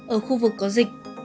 ở khu vực có dịch